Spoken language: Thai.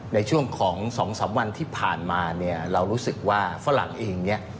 ในช่วงของ๒๓วันที่ผ่านมาเรารู้สึกว่าฝรั่งเอง